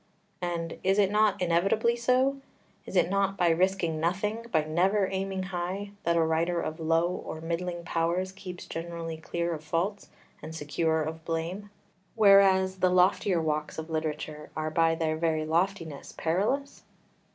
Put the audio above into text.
And is it not inevitably so? Is it not by risking nothing, by never aiming high, that a writer of low or middling powers keeps generally clear of faults and secure of blame? whereas the loftier walks of literature are by their very loftiness perilous?